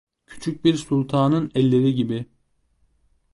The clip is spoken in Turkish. Küçük bir sultanın elleri gibi…